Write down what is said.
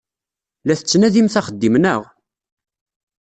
La tettnadimt axeddim, naɣ?